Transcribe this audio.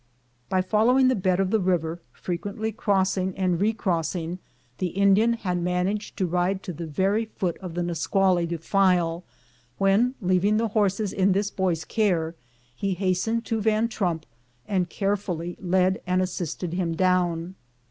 By follow ing the bed of the river, frequently crossing and recross ing, the Indian had managed to ride to the very foot of the Nisqually defile, when, leaving the horses in this boy's care, he hastened to Van Trump and carefully led and assisted him down.